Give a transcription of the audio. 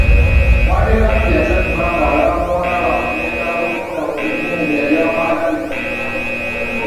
Mwami Kampi yasanyuka ng’alaba muwala we agenda okufuna ku kimu ku bye yali amwagaliza mu bulamu.